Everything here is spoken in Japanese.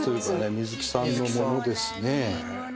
水木さんの物ですね。